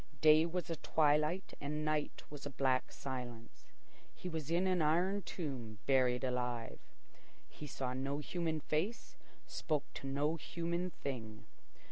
Day was a twilight and night was a black silence. He was in an iron tomb, buried alive. He saw no human face, spoke to no human thing.